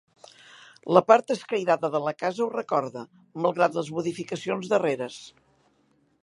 La part escairada de la casa ho recorda, malgrat les modificacions darreres.